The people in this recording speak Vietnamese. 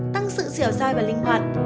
tăng sự dẻo dai và linh hoạt